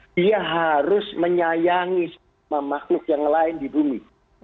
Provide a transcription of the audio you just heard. dia harus menyayangi semua makhluk yang lain di bumi